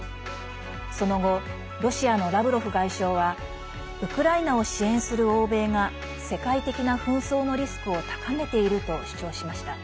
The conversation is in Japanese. その後、ロシアのラブロフ外相はウクライナを支援する欧米が世界的な紛争のリスクを高めていると主張しました。